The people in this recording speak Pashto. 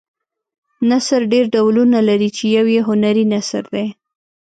نثر ډېر ډولونه لري چې یو یې هنري نثر دی.